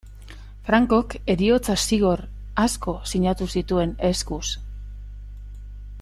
Francok heriotza-zigor asko sinatu zituen, eskuz.